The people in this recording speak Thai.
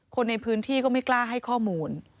คนในพื้นที่ก็ไม่กล้าให้ข้อมูล